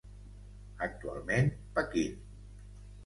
Actualment Pequín.